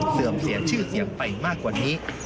เสื่อมเสียชื่อเสียงไปมากกว่านี้